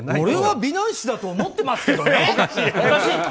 俺は美男子だと思っていますけどね！